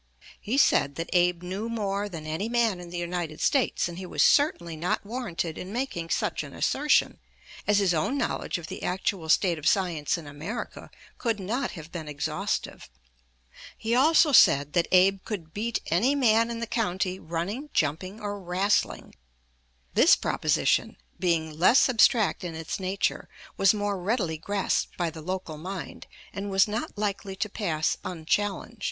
He said that Abe knew more than any man in the United States; and he was certainly not warranted in making such an assertion, as his own knowledge of the actual state of science in America could not have been exhaustive. He also said that Abe could beat any man in the county running, jumping, or "wrastling." This proposition, being less abstract in its nature, was more readily grasped by the local mind, and was not likely to pass unchallenged.